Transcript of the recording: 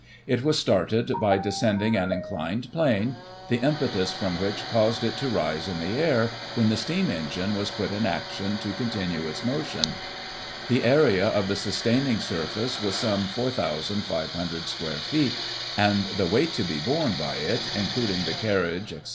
It was started by descending an inclined plane, the impetus from which caused it to rise in the air, when the steam engine was put in action, to continue its motioiL The area of the sustaining surface was some 4,500 square feet, and the weight to be borne by it, including the carriage, etc.